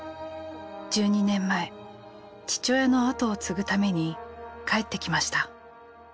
１２年前父親の後を継ぐために帰ってきました。